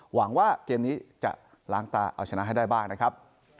หวังว่าเกมนี้จะล้างตาเอาชนะให้ได้บ้างนะครับ